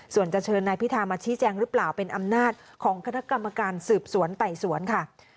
ส่วนจะเชิญนายพิธามาชี้แจงหรือเปล่าเป็นอำนาจของคณะกรรมการสืบสวนไต่สวนค่ะ